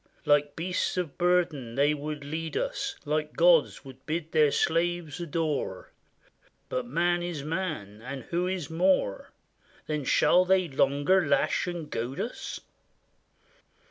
Like beasts of burden they would lead us, Like gods, would bid their slaves adore; But man is man, and who is more? Then shall they longer lash and goad us?